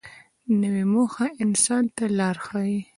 نوې موخه انسان ته لار ښیي